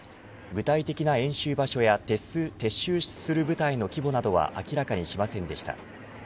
具体的な演習場所や撤収する部隊の規模などは明らかにしませんでした。